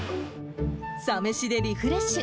サ飯でリフレッシュ。